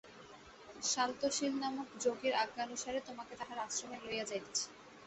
শান্তশীলনামক যোগীর আজ্ঞানুসারে তোমাকে তাঁহার আশ্রমে লইয়া যাইতেছি।